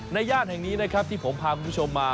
ย่านแห่งนี้นะครับที่ผมพาคุณผู้ชมมา